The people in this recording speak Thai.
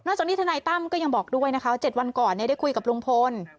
นอกจากนี้ทนัยตั้มก็ยังบอกด้วยนะคะเจ็ดวันก่อนเนี่ยได้คุยกับลุงพล